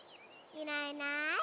いないいない。